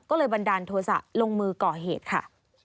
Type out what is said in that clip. ก็เลยบันดาลโทษะลงมือก่อเหตุค่ะ